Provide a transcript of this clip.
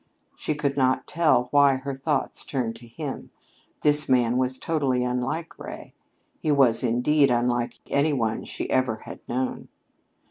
She could not tell why her thoughts turned to him. This man was totally unlike Ray. He was, indeed, unlike any one she ever had known.